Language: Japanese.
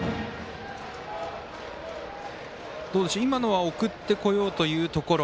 今のは送ってこようというところ。